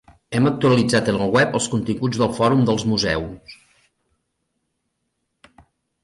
Hem actualitzat en el web els continguts del Fòrum dels Museus.